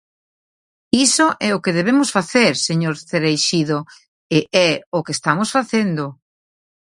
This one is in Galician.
Iso é o que debemos facer, señor Cereixido, e é o que estamos facendo.